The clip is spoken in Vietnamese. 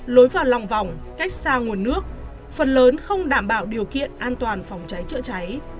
lối vào lòng vòng cách xa nguồn nước phần lớn không đảm bảo điều kiện an toàn phòng cháy chữa cháy